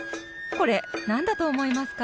これ何だと思いますか？